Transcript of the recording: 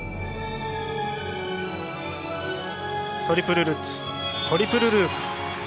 トリプルルッツトリプルループ。